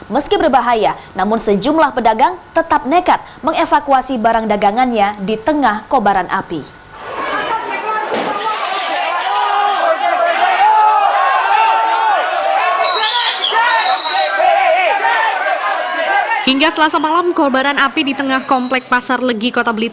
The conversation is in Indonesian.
meski berbahaya namun sejumlah pedagang tetap nekat mengevakuasi barang dagangannya di tengah kobaran api